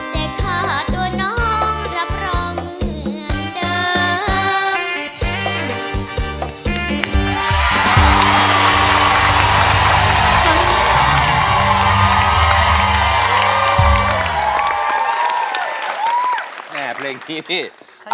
แต่ค่าตัวน้องรับรองเหมือนเดิม